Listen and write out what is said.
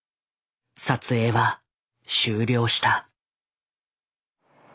撮影は終了した。